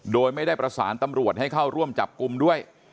โดยไม่ได้ประสานตำรวจให้เข้าร่วมจับกลุ่มด้วย